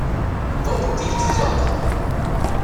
Pop 'Til You Drop!